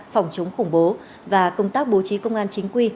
phòng chống khủng bố và công tác bố trí công an chính quy